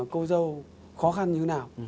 cô dâu khó khăn như thế nào